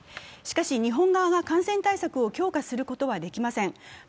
しかし日本側が感染対策を強化することはできません。